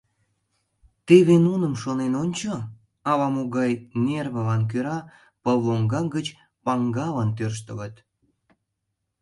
Теве нуным шонен ончо: ала-могай нервылан кӧра пыл лоҥга гыч паҥгала тӧрштылыт.